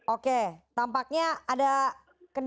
oke tampaknya ada kendala